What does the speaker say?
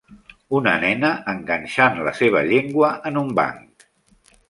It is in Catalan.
una nena enganxant la seva llengua en un banc